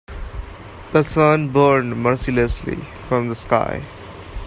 The sun burned mercilessly from the sky.